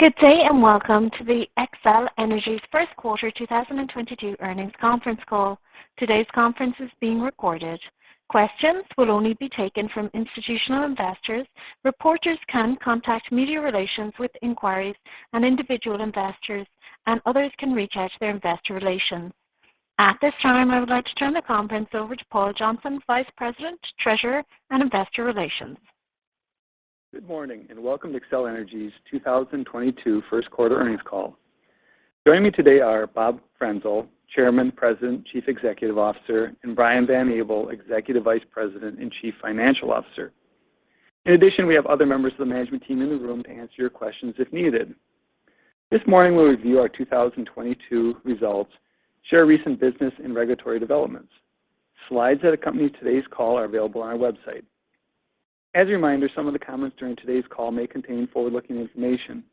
Good day, and welcome to the Xcel Energy's first quarter 2022 earnings conference call. Today's conference is being recorded. Questions will only be taken from institutional investors. Reporters can contact Media Relations with inquiries, and individual investors and others can reach out to their investor relations. At this time, I would like to turn the conference over to Paul Johnson, Vice President, Treasurer and Investor Relations. Good morning, and welcome to Xcel Energy's 2022 first quarter earnings call. Joining me today are Bob Frenzel, Chairman, President, Chief Executive Officer, and Brian Van Abel, Executive Vice President and Chief Financial Officer. In addition, we have other members of the management team in the room to answer your questions if needed. This morning, we'll review our 2022 results, share recent business and regulatory developments. Slides that accompany today's call are available on our website. As a reminder, some of the comments during today's call may contain forward-looking information.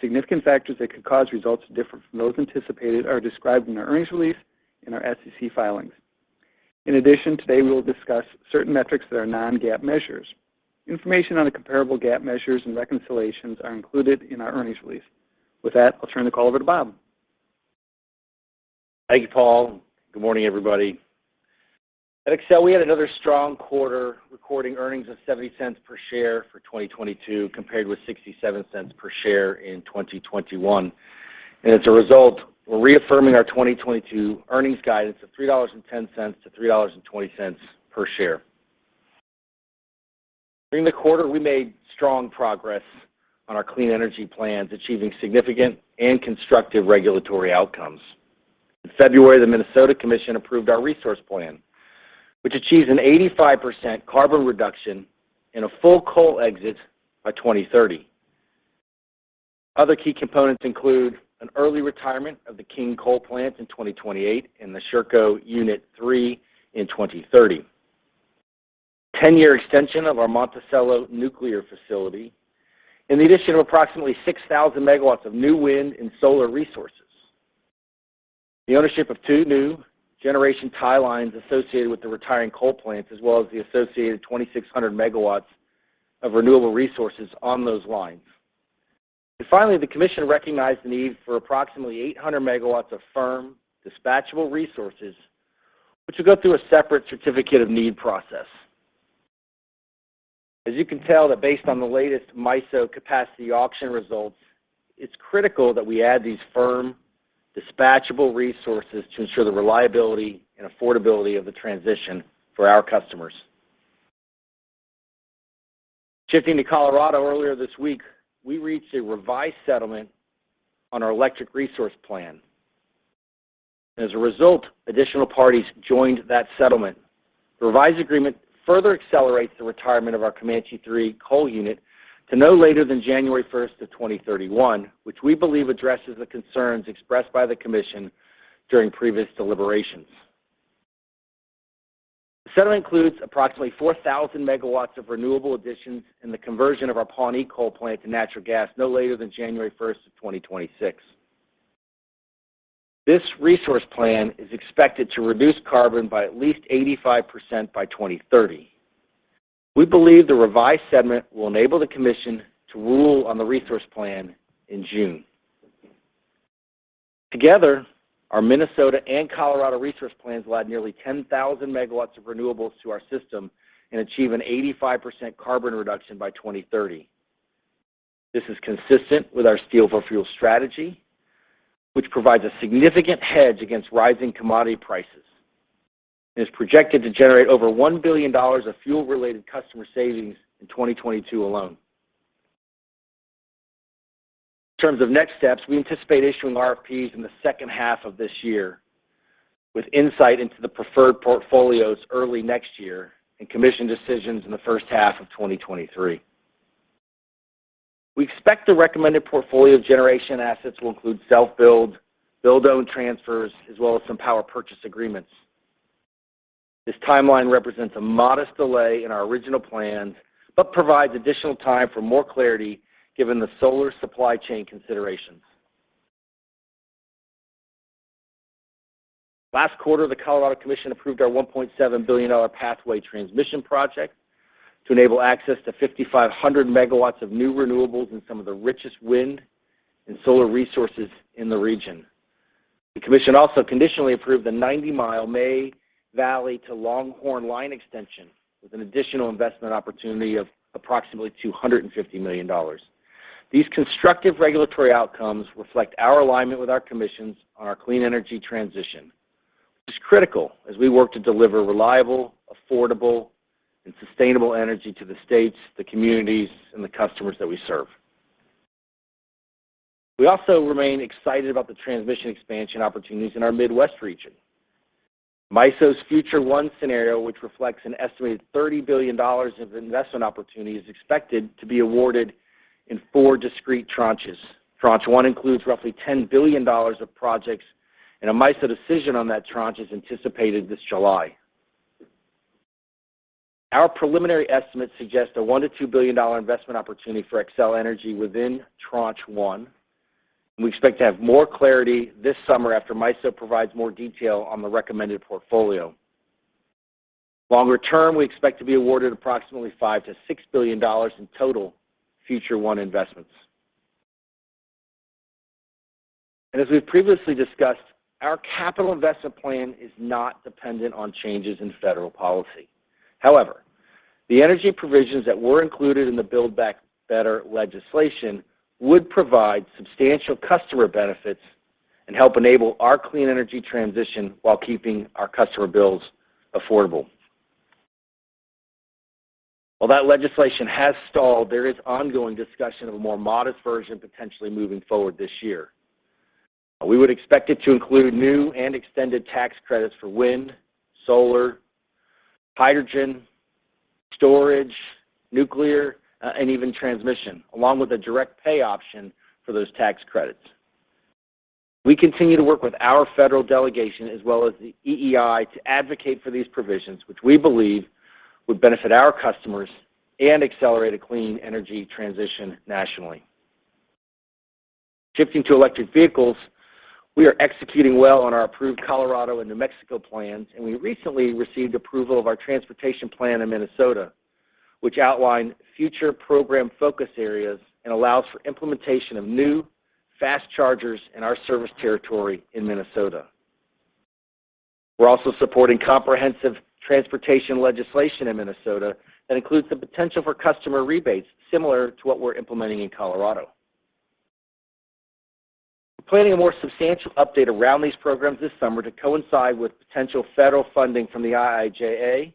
Significant factors that could cause results to differ from those anticipated are described in our earnings release and our SEC filings. In addition, today we will discuss certain metrics that are non-GAAP measures. Information on the comparable GAAP measures and reconciliations are included in our earnings release. With that, I'll turn the call over to Bob. Thank you, Paul. Good morning, everybody. At Xcel, we had another strong quarter recording earnings of $0.70 per share for 2022, compared with $0.67 per share in 2021. As a result, we're reaffirming our 2022 earnings guidance of $3.10-$3.20 per share. During the quarter, we made strong progress on our clean energy plans, achieving significant and constructive regulatory outcomes. In February, the Minnesota Commission approved our resource plan, which achieves an 85% carbon reduction and a full coal exit by 2030. Other key components include an early retirement of the Allen S. King Plant in 2028 and the Sherco Unit three in 2030. 10-year extension of our Monticello nuclear facility, and the addition of approximately 6,000 MW of new wind and solar resources. The ownership of two new generation tie lines associated with the retiring coal plants, as well as the associated 2,600 MW of renewable resources on those lines. Finally, the commission recognized the need for approximately 800 MW of firm dispatchable resources, which will go through a separate Certificate of Need process. As you can tell that based on the latest MISO capacity auction results, it's critical that we add these firm dispatchable resources to ensure the reliability and affordability of the transition for our customers. Shifting to Colorado earlier this week, we reached a revised settlement on our electric resource plan. As a result, additional parties joined that settlement. The revised agreement further accelerates the retirement of our Comanche III coal unit to no later than January 1, 2031, which we believe addresses the concerns expressed by the commission during previous deliberations. The settlement includes approximately 4,000 MW of renewable additions and the conversion of our Pawnee coal plant to natural gas no later than January 1, 2026. This resource plan is expected to reduce carbon by at least 85% by 2030. We believe the revised settlement will enable the commission to rule on the resource plan in June. Together, our Minnesota and Colorado resource plans will add nearly 10,000 megawatts of renewables to our system and achieve an 85% carbon reduction by 2030. This is consistent with our Steel for Fuel strategy, which provides a significant hedge against rising commodity prices, and is projected to generate over $1 billion of fuel-related customer savings in 2022 alone. In terms of next steps, we anticipate issuing RFPs in the second half of this year, with insight into the preferred portfolios early next year and commission decisions in the first half of 2023. We expect the recommended portfolio of generation assets will include self-build, build own transfers, as well as some power purchase agreements. This timeline represents a modest delay in our original plan, but provides additional time for more clarity given the solar supply chain considerations. Last quarter, the Colorado Commission approved our $1.7 billion Power Pathway transmission project to enable access to 5,500 megawatts of new renewables and some of the richest wind and solar resources in the region. The commission also conditionally approved the 90-mile May Valley to Longhorn line extension with an additional investment opportunity of approximately $250 million. These constructive regulatory outcomes reflect our alignment with our commissions on our clean energy transition, which is critical as we work to deliver reliable, affordable, and sustainable energy to the states, the communities, and the customers that we serve. We also remain excited about the transmission expansion opportunities in our Midwest region. MISO's Future 1 scenario, which reflects an estimated $30 billion of investment opportunity, is expected to be awarded in four discrete tranches. Tranche 1 includes roughly $10 billion of projects, and a MISO decision on that tranche is anticipated this July. Our preliminary estimates suggest a $1-2 billion investment opportunity for Xcel Energy within Tranche 1, and we expect to have more clarity this summer after MISO provides more detail on the recommended portfolio. Longer term, we expect to be awarded approximately $5-6 billion in total Future 1 investments. As we've previously discussed, our capital investment plan is not dependent on changes in federal policy. However, the energy provisions that were included in the Build Back Better legislation would provide substantial customer benefits and help enable our clean energy transition while keeping our customer bills affordable. While that legislation has stalled, there is ongoing discussion of a more modest version potentially moving forward this year. We would expect it to include new and extended tax credits for wind, solar, hydrogen, storage, nuclear, and even transmission, along with a direct pay option for those tax credits. We continue to work with our federal delegation as well as the EEI to advocate for these provisions, which we believe would benefit our customers and accelerate a clean energy transition nationally. Shifting to electric vehicles, we are executing well on our approved Colorado and New Mexico plans, and we recently received approval of our transportation plan in Minnesota, which outlined future program focus areas and allows for implementation of new fast chargers in our service territory in Minnesota. We're also supporting comprehensive transportation legislation in Minnesota that includes the potential for customer rebates similar to what we're implementing in Colorado. We're planning a more substantial update around these programs this summer to coincide with potential federal funding from the IIJA,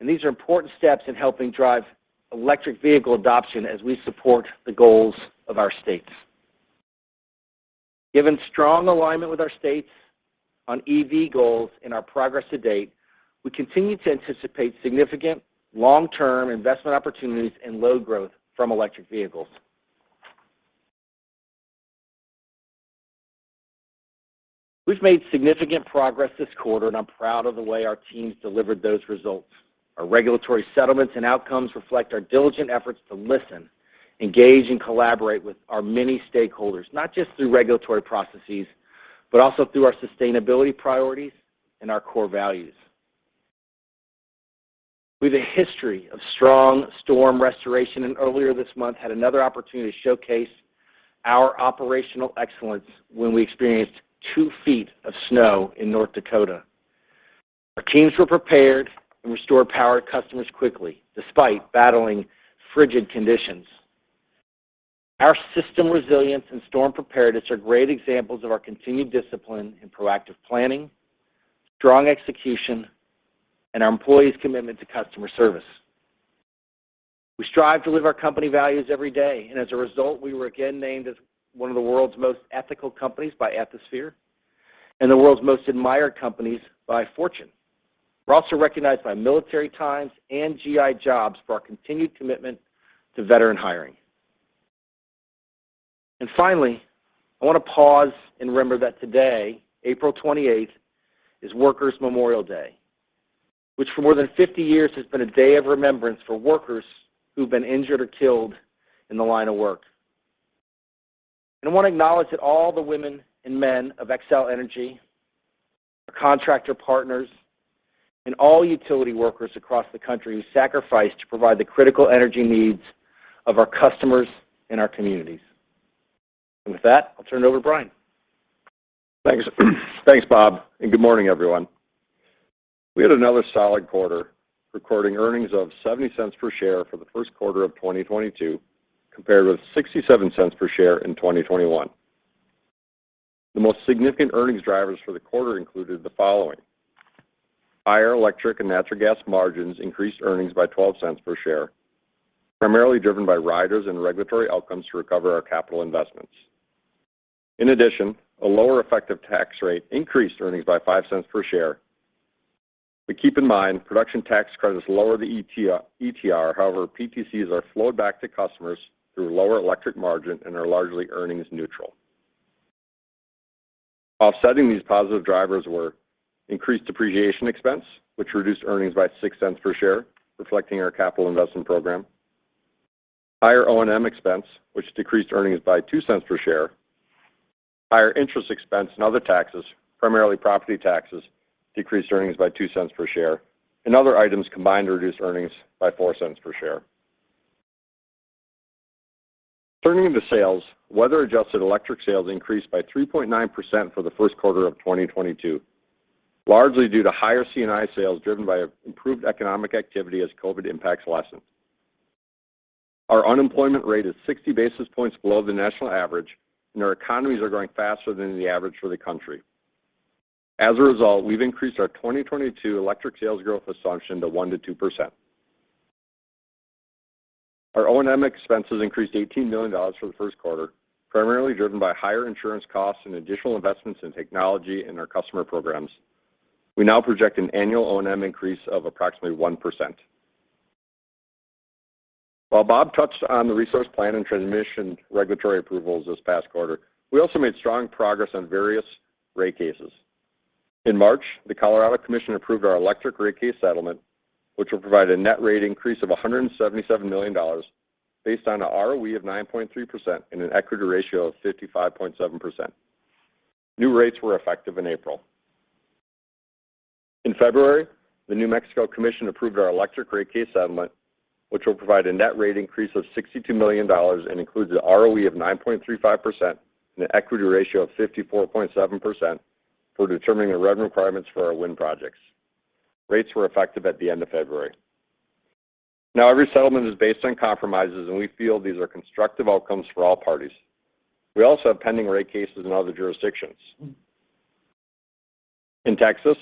and these are important steps in helping drive electric vehicle adoption as we support the goals of our states. Given strong alignment with our states on EV goals and our progress to date, we continue to anticipate significant long-term investment opportunities and load growth from electric vehicles. We've made significant progress this quarter, and I'm proud of the way our teams delivered those results. Our regulatory settlements and outcomes reflect our diligent efforts to listen, engage, and collaborate with our many stakeholders, not just through regulatory processes, but also through our sustainability priorities and our core values. With a history of strong storm restoration, and earlier this month we had another opportunity to showcase our operational excellence when we experienced two feet of snow in North Dakota. Our teams were prepared and restored power to customers quickly despite battling frigid conditions. Our system resilience and storm preparedness are great examples of our continued discipline in proactive planning, strong execution, and our employees' commitment to customer service. We strive to live our company values every day, and as a result, we were again named as one of the world's most ethical companies by Ethisphere and the world's most admired companies by Fortune. We're also recognized by Military Times and G.I. Jobs for our continued commitment to veteran hiring. Finally, I want to pause and remember that today, April 28, is Workers' Memorial Day, which for more than 50 years has been a day of remembrance for workers who've been injured or killed in the line of work. I want to acknowledge that all the women and men of Xcel Energy, our contractor partners, and all utility workers across the country who sacrifice to provide the critical energy needs of our customers and our communities. With that, I'll turn it over to Brian. Thanks. Thanks, Bob, and good morning, everyone. We had another solid quarter recording earnings of $0.70 per share for the first quarter of 2022 compared with $0.67 per share in 2021. The most significant earnings drivers for the quarter included the following. Higher electric and natural gas margins increased earnings by $0.12 per share, primarily driven by riders and regulatory outcomes to recover our capital investments. In addition, a lower effective tax rate increased earnings by $0.05 per share. Keep in mind, production tax credits lower the ETR. However, PTCs are flowed back to customers through lower electric margin and are largely earnings neutral. Offsetting these positive drivers were increased depreciation expense, which reduced earnings by $0.06 per share, reflecting our capital investment program. Higher O&M expense, which decreased earnings by $0.02 per share. Higher interest expense and other taxes, primarily property taxes, decreased earnings by $0.02 per share. Other items combined to reduce earnings by $0.04 per share. Turning to sales, weather-adjusted electric sales increased by 3.9% for the first quarter of 2022, largely due to higher C&I sales driven by improved economic activity as COVID impacts lessen. Our unemployment rate is 60 basis points below the national average, and our economies are growing faster than the average for the country. As a result, we've increased our 2022 electric sales growth assumption to 1%-2%. Our O&M expenses increased $18 million for the first quarter, primarily driven by higher insurance costs and additional investments in technology in our customer programs. We now project an annual O&M increase of approximately 1%. While Bob touched on the resource plan and transmission regulatory approvals this past quarter, we also made strong progress on various rate cases. In March, the Colorado Commission approved our electric rate case settlement, which will provide a net rate increase of $177 million based on an ROE of 9.3% and an equity ratio of 55.7%. New rates were effective in April. In February, the New Mexico Commission approved our electric rate case settlement, which will provide a net rate increase of $62 million and includes an ROE of 9.35% and an equity ratio of 54.7% for determining the revenue requirements for our wind projects. Rates were effective at the end of February. Now, every settlement is based on compromises, and we feel these are constructive outcomes for all parties. We also have pending rate cases in other jurisdictions. In Texas,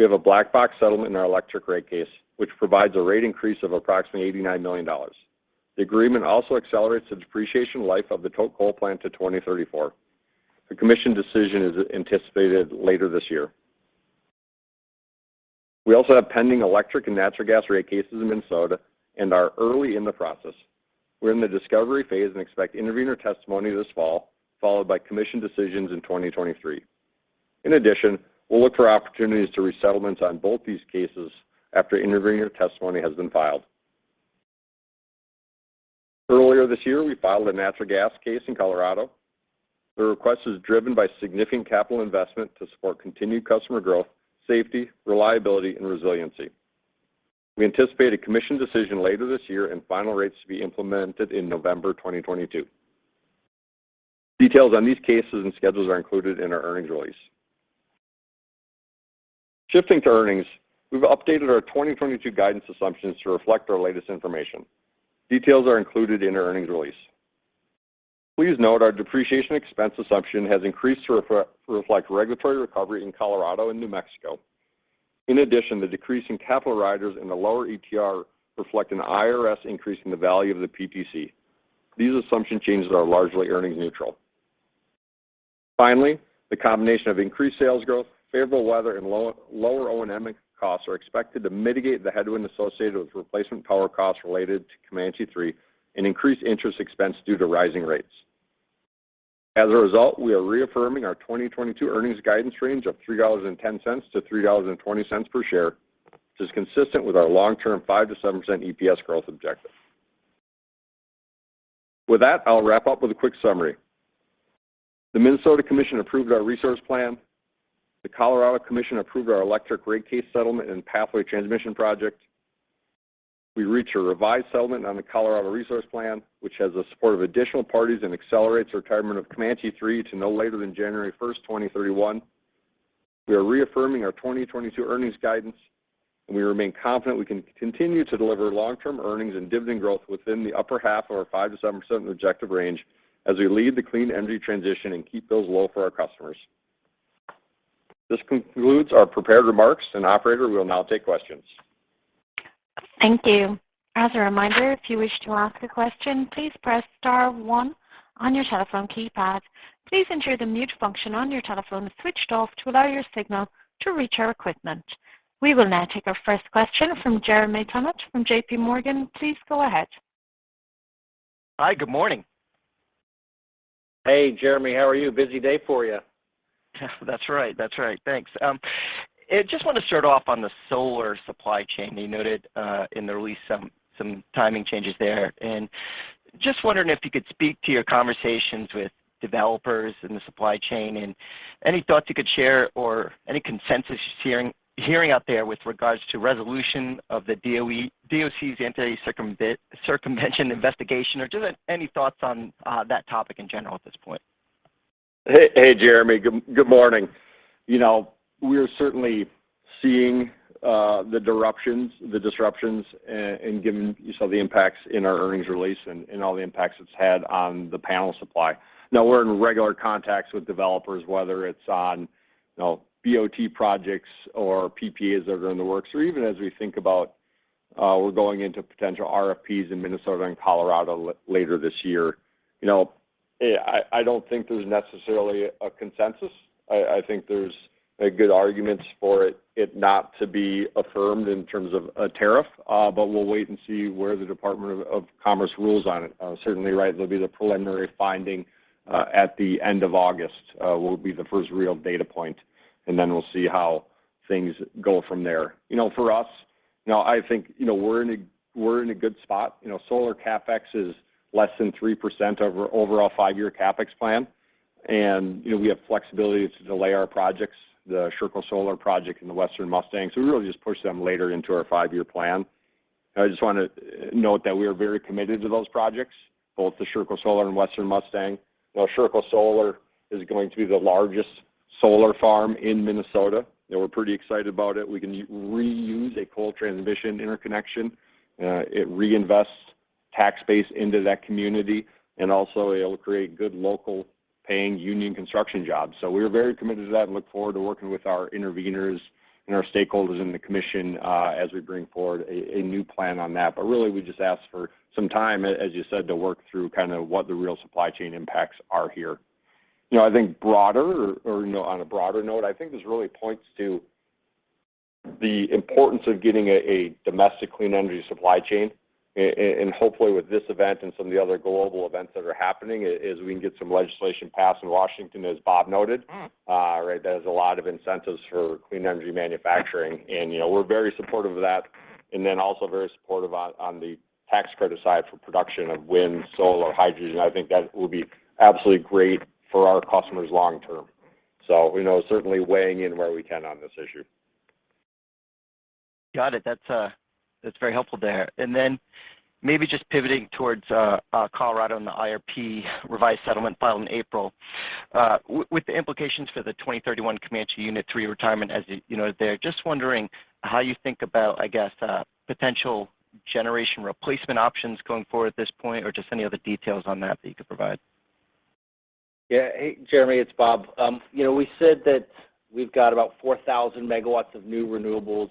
we have a black-box settlement in our electric rate case, which provides a rate increase of approximately $89 million. The agreement also accelerates the depreciation life of the coal plant to 2034. The Commission decision is anticipated later this year. We also have pending electric and natural gas rate cases in Minnesota and are early in the process. We're in the discovery phase and expect intervenor testimony this fall, followed by Commission decisions in 2023. In addition, we'll look for opportunities to reach settlements on both these cases after intervenor testimony has been filed. Earlier this year, we filed a natural gas case in Colorado. The request is driven by significant capital investment to support continued customer growth, safety, reliability, and resiliency. We anticipate a Commission decision later this year and final rates to be implemented in November 2022. Details on these cases and schedules are included in our earnings release. Shifting to earnings, we've updated our 2022 guidance assumptions to reflect our latest information. Details are included in our earnings release. Please note our depreciation expense assumption has increased to reflect regulatory recovery in Colorado and New Mexico. In addition, the decrease in capital riders and the lower ETR reflect an IRS increase in the value of the PTC. These assumption changes are largely earnings neutral. Finally, the combination of increased sales growth, favorable weather, and lower O&M costs are expected to mitigate the headwind associated with replacement power costs related to Comanche III and increased interest expense due to rising rates. As a result, we are reaffirming our 2022 earnings guidance range of $3.10-$3.20 per share, which is consistent with our long-term 5%-7% EPS growth objective. With that, I'll wrap up with a quick summary. The Minnesota Commission approved our resource plan. The Colorado Commission approved our electric rate case settlement and Power Pathway Transmission Project. We reached a revised settlement on the Colorado Resource Plan, which has the support of additional parties and accelerates the retirement of Comanche III to no later than January 1, 2031. We are reaffirming our 2022 earnings guidance, and we remain confident we can continue to deliver long-term earnings and dividend growth within the upper half of our 5%-7% objective range as we lead the clean energy transition and keep bills low for our customers. This concludes our prepared remarks, and operator, we will now take questions. Thank you. As a reminder, if you wish to ask a question, please press star one on your telephone keypad. Please ensure the mute function on your telephone is switched off to allow your signal to reach our equipment. We will now take our first question from Jeremy Tonet from J.P. Morgan. Please go ahead. Hi, good morning. Hey, Jeremy, how are you? Busy day for you. Yeah, that's right. Thanks. I just want to start off on the solar supply chain. You noted in the release some timing changes there. Just wondering if you could speak to your conversations with developers in the supply chain and any thoughts you could share or any consensus you're hearing out there with regards to resolution of the DOC's anti-circumvention investigation, or just any thoughts on that topic in general at this point. Hey, Jeremy. Good morning. You know, we're certainly seeing the disruptions and given you saw the impacts in our earnings release and all the impacts it's had on the panel supply. Now we're in regular contacts with developers, whether it's on you know BOT projects or PPAs that are in the works or even as we think about we're going into potential RFPs in Minnesota and Colorado later this year. You know, I don't think there's necessarily a consensus. I think there's like good arguments for it not to be affirmed in terms of a tariff, but we'll wait and see where the Department of Commerce rules on it. Certainly right, there'll be the preliminary finding at the end of August will be the first real data point, and then we'll see how things go from there. You know, for us, you know, I think, you know, we're in a good spot. You know, solar CapEx is less than 3% of our overall five-year CapEx plan. You know, we have flexibility to delay our projects, the Sherco Solar project and the Western Mustang, so we really just push them later into our five-year plan. I just want to note that we are very committed to those projects, both the Sherco Solar and Western Mustang. While Sherco Solar is going to be the largest solar farm in Minnesota, you know, we're pretty excited about it. We can reuse a coal transmission interconnection. It reinvests tax base into that community and also it'll create good local paying union construction jobs. We are very committed to that and look forward to working with our interveners and our stakeholders in the commission as we bring forward a new plan on that. Really, we just ask for some time, as you said, to work through kind of what the real supply chain impacts are here. You know, I think broader, you know, on a broader note, I think this really points to the importance of getting a domestic clean energy supply chain. Hopefully with this event and some of the other global events that are happening, as we can get some legislation passed in Washington, as Bob noted. Right? That has a lot of incentives for clean energy manufacturing and, you know, we're very supportive of that. also very supportive on the tax credit side for production of wind, solar, hydrogen. I think that will be absolutely great for our customers long term. we know certainly weighing in where we can on this issue. Got it. That's very helpful there. Maybe just pivoting towards Colorado and the IRP revised settlement filed in April. With the implications for the 2031 Comanche Unit three retirement, as you know, they're just wondering how you think about, I guess, potential generation replacement options going forward at this point or just any other details on that you could provide. Yeah. Hey, Jeremy, it's Bob. You know, we said that we've got about 4,000 megawatts of new renewables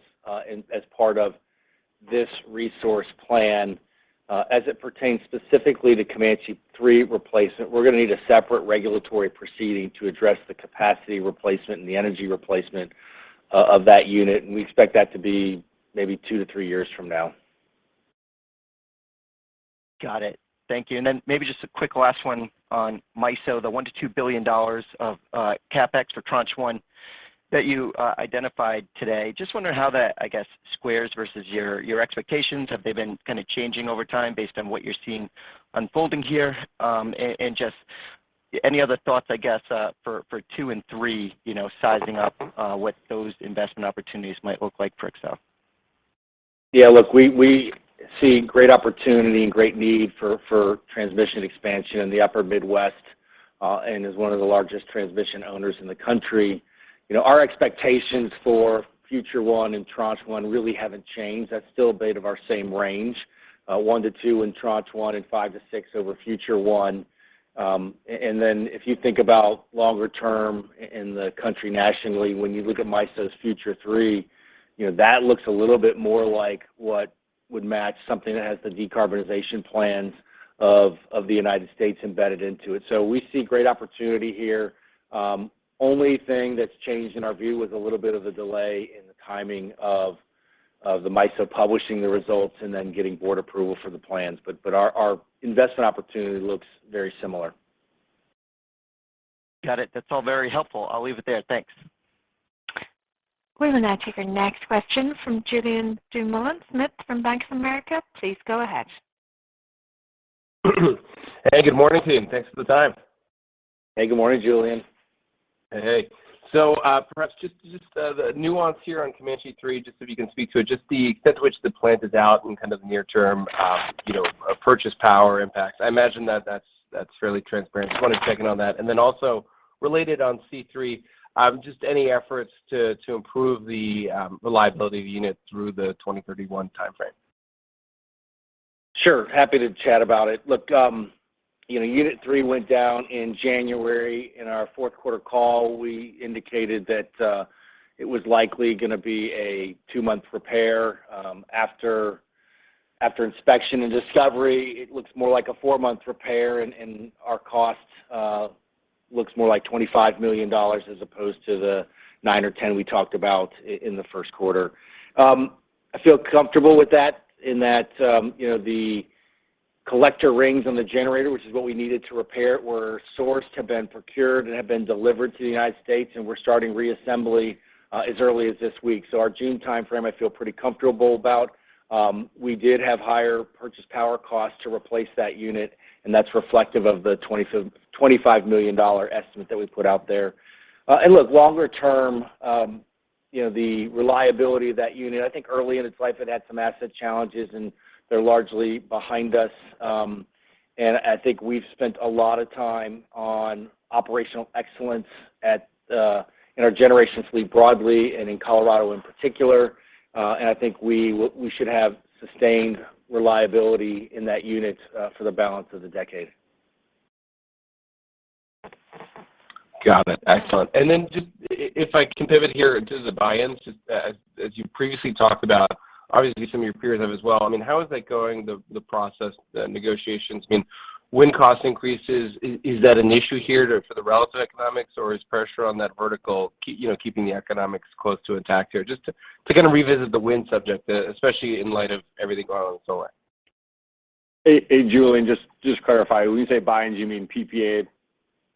and as part of this resource plan. As it pertains specifically to Comanche 3 replacement, we're gonna need a separate regulatory proceeding to address the capacity replacement and the energy replacement of that unit, and we expect that to be maybe two to three years from now. Got it. Thank you. Maybe just a quick last one on MISO, the $1-2 billion of CapEx for Tranche 1 that you identified today. Just wondering how that, I guess, squares versus your expectations. Have they been kinda changing over time based on what you're seeing unfolding here? And just any other thoughts, I guess, for two and three, you know, sizing up what those investment opportunities might look like for Xcel? Yeah. Look, we see great opportunity and great need for transmission expansion in the upper Midwest, and we are one of the largest transmission owners in the country. You know, our expectations for Future 1 and Tranche 1 really haven't changed. That's still about our same range, one to two in Tranche 1 and 5-6 over Future 1. If you think about longer term in the country nationally, when you look at MISO's Future 3, you know, that looks a little bit more like what would match something that has the decarbonization plans of the United States embedded into it. We see great opportunity here. Only thing that's changed in our view was a little bit of a delay in the timing of the MISO publishing the results and then getting board approval for the plans. Our investment opportunity looks very similar. Got it. That's all very helpful. I'll leave it there. Thanks. We will now take our next question from Julien Dumoulin-Smith from Bank of America. Please go ahead. Hey, good morning, team. Thanks for the time. Hey, good morning, Julien. Hey. Perhaps just the nuance here on Comanche 3, just so you can speak to it, the extent to which the plant is out in kind of near-term purchased power impacts. I imagine that's fairly transparent. Just wanted to check in on that. Then also related on C3, just any efforts to improve the reliability of the unit through the 2031 timeframe. Sure. Happy to chat about it. Look, you know, unit three went down in January. In our fourth quarter call, we indicated that it was likely gonna be a two month repair. After inspection and discovery, it looks more like a four-month repair, and our cost looks more like $25 million as opposed to the nine or 10 we talked about in the first quarter. I feel comfortable with that in that, you know, the collector rings on the generator, which is what we needed to repair, were sourced, have been procured and have been delivered to the United States, and we're starting reassembly as early as this week. So our June timeframe, I feel pretty comfortable about. We did have higher purchased power costs to replace that unit, and that's reflective of the $25 million estimate that we put out there. Look, longer term, you know, the reliability of that unit, I think early in its life it had some asset challenges, and they're largely behind us. I think we've spent a lot of time on operational excellence at in our generation fleet broadly and in Colorado in particular. I think we should have sustained reliability in that unit, for the balance of the decade. Got it. Excellent. Then just if I can pivot here just to buy-ins, as you previously talked about, obviously some of your peers have as well. I mean, how is that going, the process, the negotiations? I mean, wind cost increases, is that an issue here for the relative economics, or is pressure on that vertical, you know, keeping the economics close to intact here? Just to kind of revisit the wind subject, especially in light of everything going on in solar. Hey, Julien, just to clarify, when you say buy-ins, you mean PPA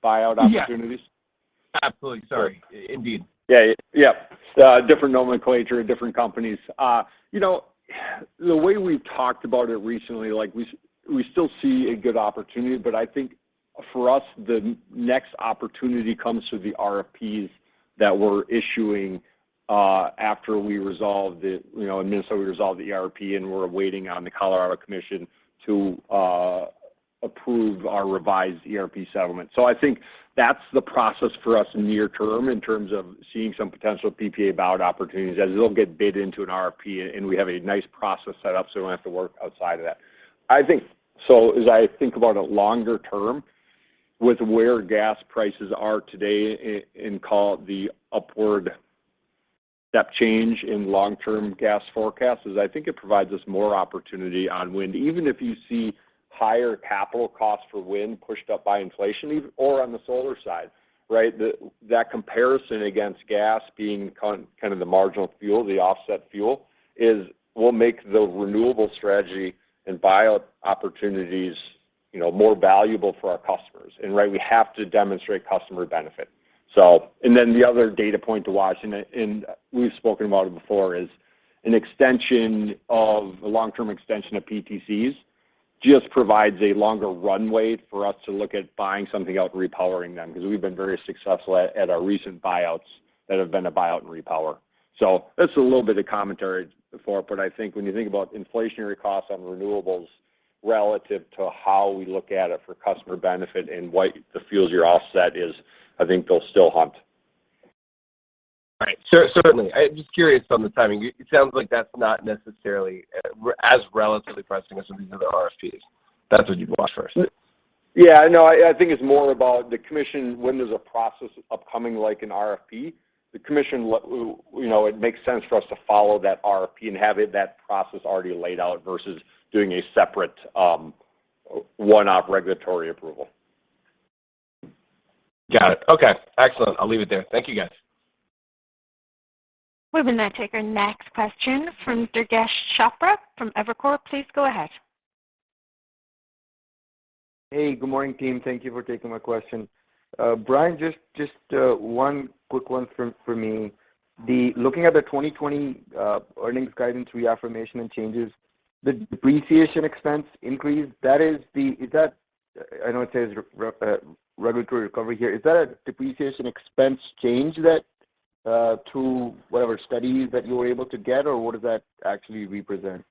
buyout opportunities? Yeah. Absolutely. Sorry. Indeed. Yeah. Yeah. Different nomenclature, different companies. You know, the way we've talked about it recently, like we still see a good opportunity, but I think for us, the next opportunity comes through the RFPs that we're issuing after we resolve the, you know, ERP, and we're waiting on the Colorado Commission to approve our revised ERP settlement. I think that's the process for us near term in terms of seeing some potential PPA buyout opportunities, as it'll get bid into an RFP, and we have a nice process set up, so we don't have to work outside of that. As I think about it longer term with where gas prices are today, in coal, the upward step change in long-term gas forecasts, I think it provides us more opportunity on wind. Even if you see higher capital costs for wind pushed up by inflation, even on the solar side, right? That comparison against gas being kind of the marginal fuel, the offset fuel, it will make the renewable strategy and buildout opportunities, you know, more valuable for our customers. Right, we have to demonstrate customer benefit. The other data point to watch, and we've spoken about it before, is a long-term extension of PTCs just provides a longer runway for us to look at buying something out and repowering them, 'cause we've been very successful at our recent buyouts that have been a buyout and repower. That's a little bit of commentary before, but I think when you think about inflationary costs on renewables relative to how we look at it for customer benefit and what the fuel costs you're offsetting is, I think they'll still hunt. Right. Certainly. I'm just curious on the timing. It sounds like that's not necessarily as relatively pressing as some of these other RFPs, if that's what you'd watch first. Yeah, no, I think it's more about the commission, when there's a process upcoming like an RFP, the commission you know, it makes sense for us to follow that RFP and have it, that process already laid out versus doing a separate, one-off regulatory approval. Got it. Okay. Excellent. I'll leave it there. Thank you, guys. We will now take our next question from Durgesh Chopra from Evercore. Please go ahead. Hey, good morning, team. Thank you for taking my question. Brian, just one quick one from me. Looking at the 2020 earnings guidance reaffirmation and changes, the depreciation expense increase. I know it says regulatory recovery here. Is that a depreciation expense change due to whatever studies you were able to get, or what does that actually represent?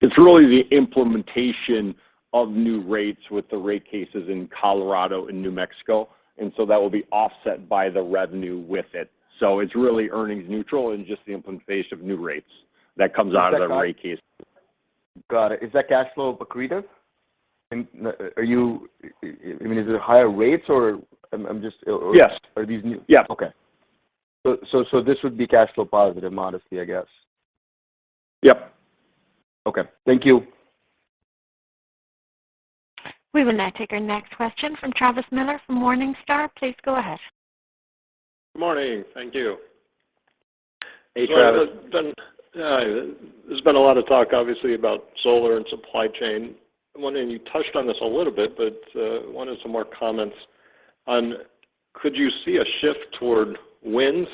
It's really the implementation of new rates with the rate cases in Colorado and New Mexico, and so that will be offset by the revenue with it. It's really earnings neutral and just the implementation of new rates that comes out of the rate case. Got it. Is that cash flow accretive? I mean, is it higher rates or I'm just- Yes. Are these new- Yeah. This would be cash flow positive modestly, I guess. Yep. Okay. Thank you. We will now take our next question from Travis Miller from Morningstar. Please go ahead. Good morning. Thank you. Hey, Travis. There's been a lot of talk obviously about solar and supply chain. I'm wondering, you touched on this a little bit, but wanted some more comments on could you see a shift toward wind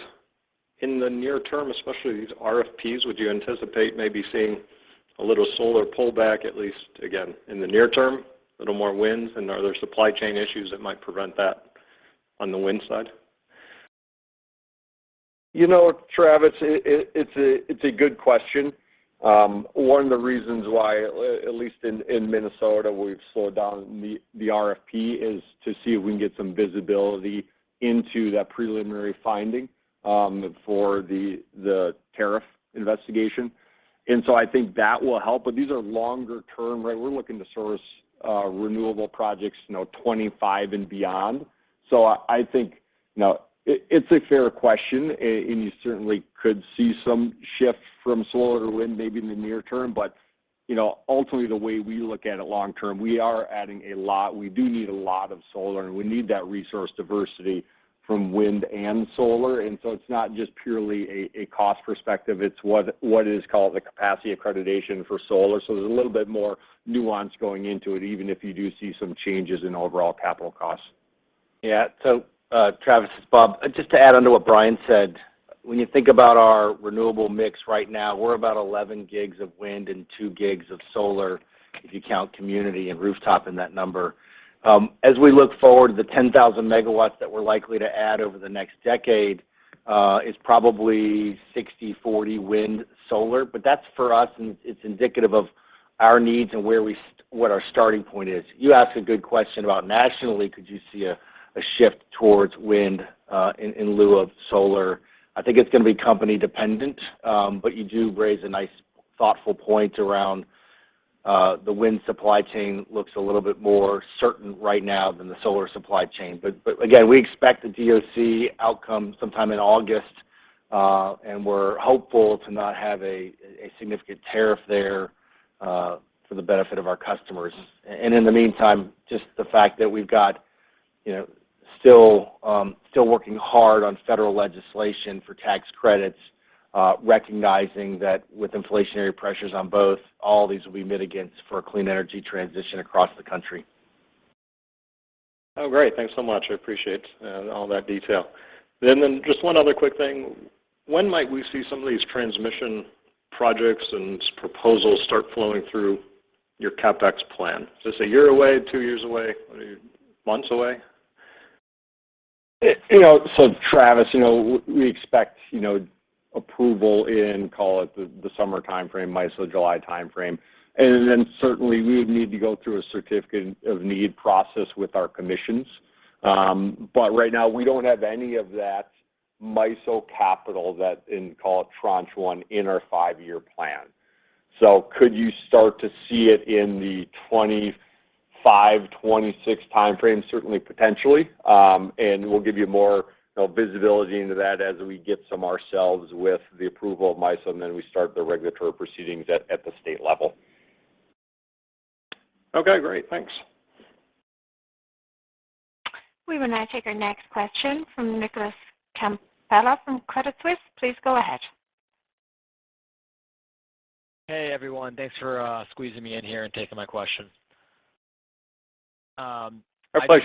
in the near term, especially these RFPs? Would you anticipate maybe seeing a little solar pullback, at least again in the near term, a little more wind, and are there supply chain issues that might prevent that on the wind side? You know, Travis, it's a good question. One of the reasons why, at least in Minnesota, we've slowed down the RFP is to see if we can get some visibility into that preliminary finding for the tariff investigation. I think that will help. These are longer term, right? We're looking to source renewable projects, you know, 25 and beyond. I think, you know, it's a fair question, and you certainly could see some shift from solar to wind maybe in the near term. Ultimately, the way we look at it long term, we are adding a lot. We do need a lot of solar, and we need that resource diversity from wind and solar. It's not just purely a cost perspective, it's what is called the capacity accreditation for solar. There's a little bit more nuance going into it, even if you do see some changes in overall capital costs. Yeah. Travis, it's Bob. Just to add on to what Brian said, when you think about our renewable mix right now, we're about 11 GW of wind and 2 GW of solar, if you count community and rooftop in that number. As we look forward, the 10,000 MW that we're likely to add over the next decade is probably 60/40 wind/solar. That's for us, and it's indicative of our needs and what our starting point is. You ask a good question about nationally, could you see a shift towards wind in lieu of solar? I think it's gonna be company-dependent. You do raise a nice, thoughtful point around the wind supply chain looks a little bit more certain right now than the solar supply chain. Again, we expect the DOC outcome sometime in August, and we're hopeful to not have a significant tariff there, for the benefit of our customers. In the meantime, just the fact that we've got, you know, still working hard on federal legislation for tax credits, recognizing that with inflationary pressures on both, all these will be mitigants for a clean energy transition across the country. Oh, great. Thanks so much. I appreciate all that detail. Just one other quick thing. When might we see some of these transmission projects and proposals start flowing through your CapEx plan? Is this a year away, two years away? What are you, months away? You know, Travis, you know, we expect, you know, approval in, call it the summer timeframe, MISO July timeframe. Then certainly we would need to go through a Certificate of Need process with our commissions. But right now we don't have any of that MISO capital that's in, call it Tranche 1, in our five-year plan. Could you start to see it in the 25-26 timeframe? Certainly, potentially. We'll give you more, you know, visibility into that as we get some clarity ourselves with the approval of MISO, then we start the regulatory proceedings at the state level. Okay, great. Thanks. We will now take our next question from Nicholas Campanella from Credit Suisse. Please go ahead. Hey everyone, thanks for squeezing me in here and taking my questions. Our pleasure, Nick. Yeah, thank you. I heard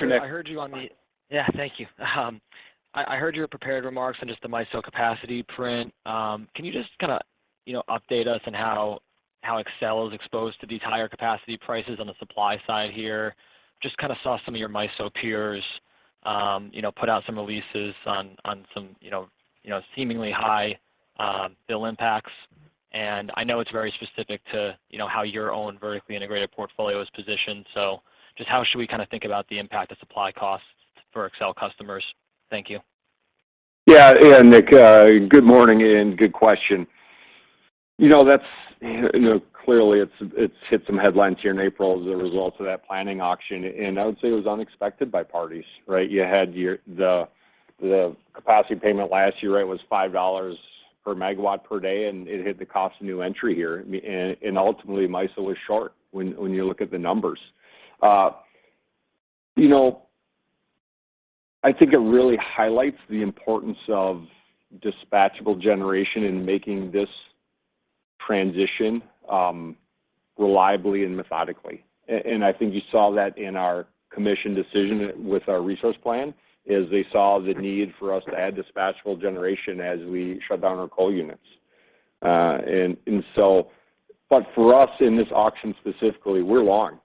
your prepared remarks on just the MISO capacity print. Can you just kinda, you know, update us on how Xcel is exposed to these higher capacity prices on the supply side here? Just kinda saw some of your MISO peers, you know, put out some releases on some, you know, seemingly high bill impacts. I know it's very specific to, you know, how your own vertically integrated portfolio is positioned. Just how should we kinda think about the impact of supply costs for Xcel customers? Thank you. Yeah. Nick, good morning and good question. You know, that's, you know, clearly it's hit some headlines here in April as a result of that planning auction, and I would say it was unexpected by parties, right? The capacity payment last year, right, was $5 per MW per day, and it hit the cost of new entry here. Ultimately MISO was short when you look at the numbers. You know, I think it really highlights the importance of dispatchable generation in making this transition reliably and methodically. I think you saw that in our commission decision with our resource plan, is they saw the need for us to add dispatchable generation as we shut down our coal units. For us in this auction specifically, we're long.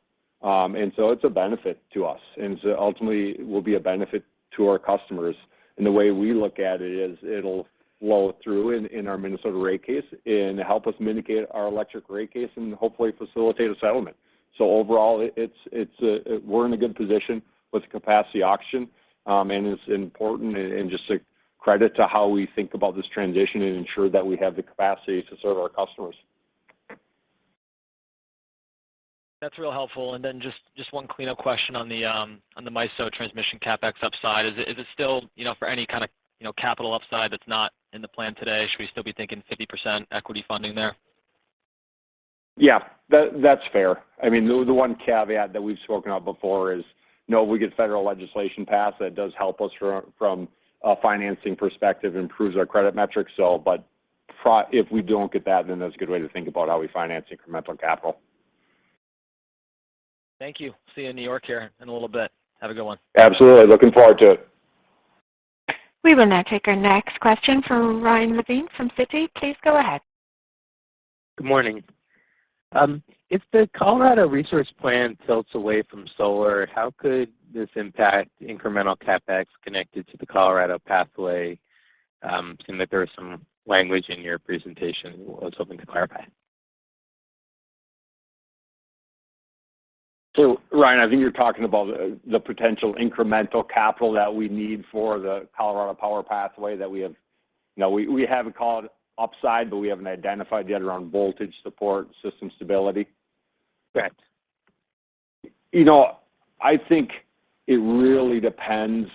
It's a benefit to us, and ultimately will be a benefit to our customers. The way we look at it is it'll flow through in our Minnesota rate case and help us mitigate our electric rate case and hopefully facilitate a settlement. Overall, we're in a good position with the capacity auction, and it's important and just a credit to how we think about this transition and ensure that we have the capacity to serve our customers. That's real helpful. Then just one cleanup question on the MISO transmission CapEx upside. Is it still, you know, for any kinda, you know, capital upside that's not in the plan today, should we still be thinking 50% equity funding there? Yeah. That's fair. I mean, the one caveat that we've spoken of before is, you know, we get federal legislation passed, that does help us from a financing perspective, improves our credit metrics. If we don't get that, then that's a good way to think about how we finance incremental capital. Thank you. See you in New York here in a little bit. Have a good one. Absolutely. Looking forward to it. We will now take our next question from Ryan Levine from Citi. Please go ahead. Good morning. If the Colorado resource plan tilts away from solar, how could this impact incremental CapEx connected to the Colorado Pathway, seeing that there was some language in your presentation I was hoping to clarify? Ryan, I think you're talking about the potential incremental capital that we need for the Colorado Power Pathway that we have. You know, we have it called upside, but we haven't identified yet around voltage support, system stability. Right. You know, I think it really depends.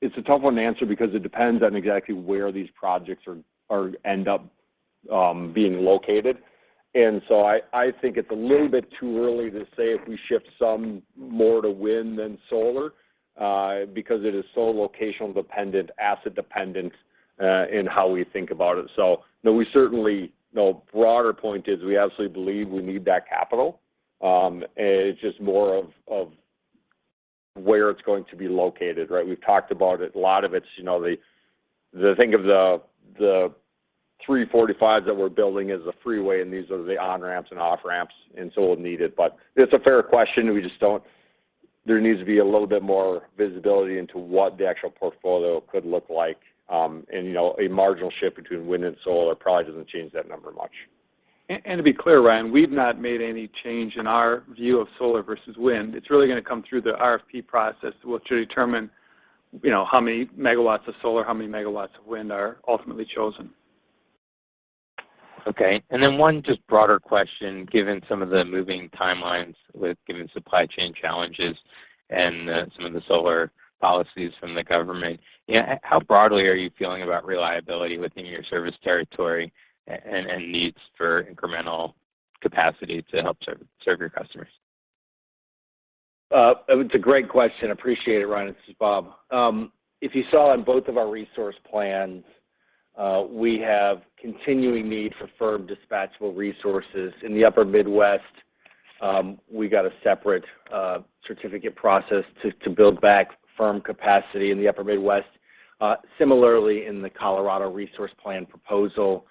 It's a tough one to answer because it depends on exactly where these projects end up being located. I think it's a little bit too early to say if we shift some more to wind than solar, because it is so locational dependent, asset dependent, in how we think about it. You know, broader point is we absolutely believe we need that capital. It's just more of where it's going to be located, right? We've talked about it. A lot of it's, you know. Think of the 345s that we're building as a freeway, and these are the on-ramps and off-ramps, and so we'll need it. It's a fair question. We just don't. There needs to be a little bit more visibility into what the actual portfolio could look like. You know, a marginal shift between wind and solar probably doesn't change that number much. To be clear, Ryan, we've not made any change in our view of solar versus wind. It's really gonna come through the RFP process to determine, you know, how many MW of solar, how many megawatts of wind are ultimately chosen. Okay. Then one just broader question, given some of the moving timelines with given supply chain challenges and, some of the solar policies from the government. You know, how broadly are you feeling about reliability within your service territory and needs for incremental capacity to help serve your customers? It's a great question. Appreciate it, Ryan. This is Bob. If you saw on both of our resource plans, we have continuing need for firm dispatchable resources. In the upper Midwest, we got a separate certificate process to build back firm capacity in the upper Midwest, similarly in the Colorado resource plan proposal.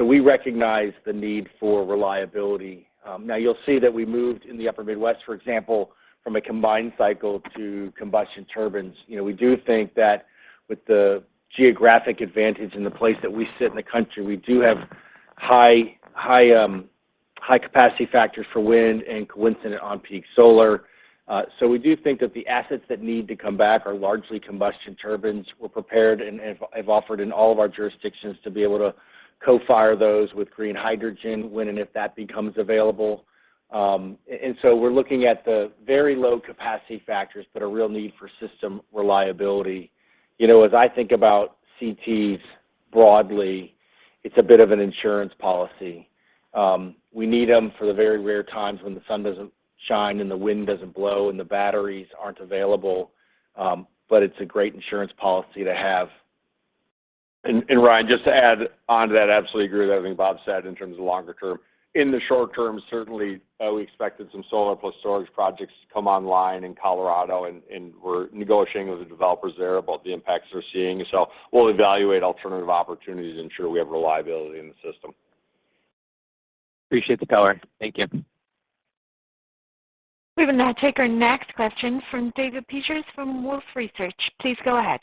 We recognize the need for reliability. Now you'll see that we moved in the upper Midwest, for example, from a combined cycle to combustion turbines. You know, we do think that with the geographic advantage and the place that we sit in the country, we do have high capacity factors for wind and coincident on-peak solar. We do think that the assets that need to come back are largely combustion turbines. We're prepared and have offered in all of our jurisdictions to be able to co-fire those with green hydrogen when and if that becomes available. We're looking at the very low capacity factors but a real need for system reliability. You know, as I think about CTs broadly, it's a bit of an insurance policy. We need them for the very rare times when the sun doesn't shine and the wind doesn't blow and the batteries aren't available. It's a great insurance policy to have. Ryan, just to add onto that, absolutely agree with everything Bob said in terms of longer term. In the short term, certainly, we expected some solar plus storage projects to come online in Colorado, and we're negotiating with the developers there about the impacts they're seeing. We'll evaluate alternative opportunities, ensure we have reliability in the system. Appreciate the color. Thank you. We will now take our next question from David Peters from Wolfe Research. Please go ahead.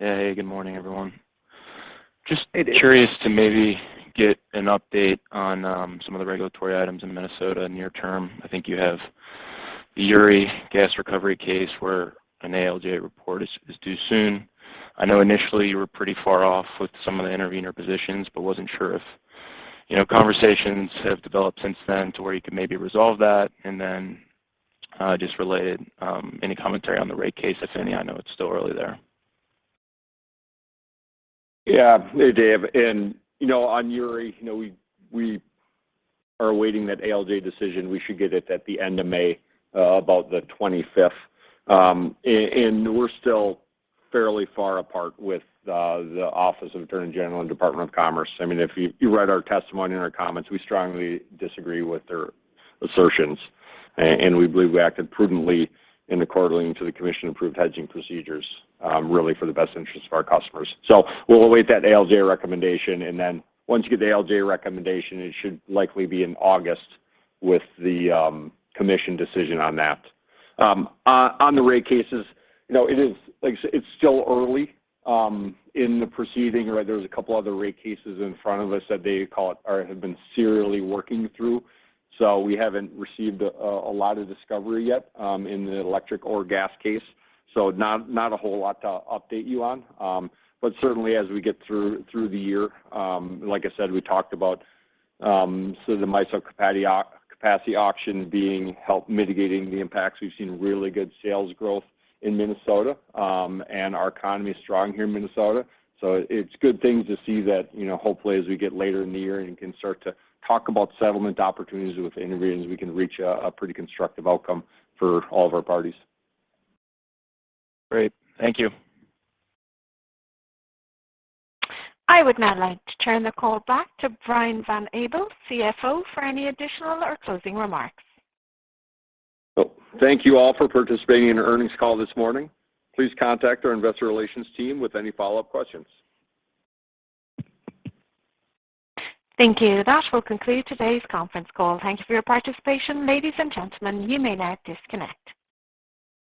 Yeah. Hey, good morning, everyone. Hey, Dave. Curious to maybe get an update on some of the regulatory items in Minnesota near term. I think you have the Uri gas recovery case where an ALJ report is due soon. I know initially you were pretty far off with some of the intervener positions, but wasn't sure if, you know, conversations have developed since then to where you could maybe resolve that. Just related, any commentary on the rate case, if any? I know it's still early there. Yeah. Hey, Dave. You know, on Uri, you know, we are awaiting that ALJ decision. We should get it at the end of May, about the 25th. We're still fairly far apart with the Office of Attorney General and Department of Commerce. I mean, if you read our testimony and our comments, we strongly disagree with their assertions. We believe we acted prudently and accordingly to the commission-approved hedging procedures, really for the best interest of our customers. We'll await that ALJ recommendation, and then once you get the ALJ recommendation, it should likely be in August with the commission decision on that. On the rate cases, you know, it is, like I say, it's still early in the proceeding. Right? There's a couple other rate cases in front of us that they call it or have been serially working through, so we haven't received a lot of discovery yet in the electric or gas case. Not a whole lot to update you on. Certainly as we get through the year, like I said, we talked about, so the MISO capacity auction being helpful mitigating the impacts. We've seen really good sales growth in Minnesota, and our economy is strong here in Minnesota. It's good things to see that, you know, hopefully as we get later in the year and can start to talk about settlement opportunities with intervenors, we can reach a pretty constructive outcome for all of our parties. Great. Thank you. I would now like to turn the call back to Brian Van Abel, CFO, for any additional or closing remarks. Well, thank you all for participating in our earnings call this morning. Please contact our investor relations team with any follow-up questions. Thank you. That will conclude today's conference call. Thank you for your participation. Ladies and gentlemen, you may now disconnect.